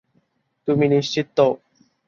তুমি নিশ্চিত তো?